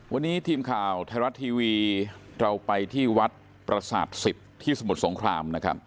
วันนี้ทีมข่าวไทยรัตทีวีเราไปที่วัดปรสัตว์๑๐ที่สมุทรสงคราม